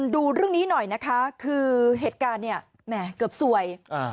ดูเรื่องนี้หน่อยนะคะคือเหตุการณ์เนี่ยแหมเกือบสวยอ่า